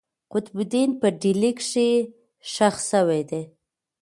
قطب الدین په ډهلي کښي ښخ سوی دئ.